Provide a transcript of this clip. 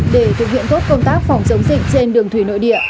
để thực hiện tốt công tác phòng chống dịch trên đường thủy nội địa